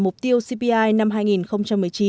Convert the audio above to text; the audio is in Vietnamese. mục tiêu cpi năm hai nghìn một mươi chín